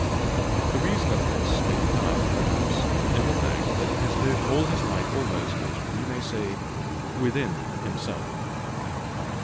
The reason of this may be found, perhaps, in the fact, that he has lived all his life almost, we may say, within himself.